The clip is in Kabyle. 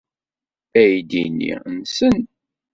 Aydi-nni nsen.